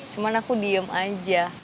cuman aku diem aja